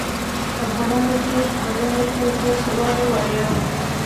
افغانانو دې بلنو ته ژر جواب ووایه.